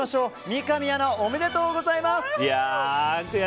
三上アナ、おめでとうございます。